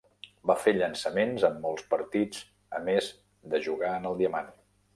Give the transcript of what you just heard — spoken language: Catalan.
Va fer llançaments en molts partits a més de jugar en el diamant.